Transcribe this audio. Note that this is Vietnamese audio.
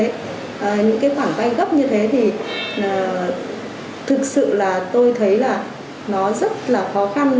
những khoản vay gấp như thế thì thực sự tôi thấy nó rất là khó khăn